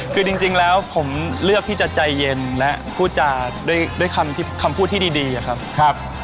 คือจริงแล้วผมเลือกที่จะใจเย็นและพูดจาด้วยคำพูดที่ดีอะครับ